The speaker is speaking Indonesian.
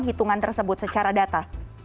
hitungan tersebut secara data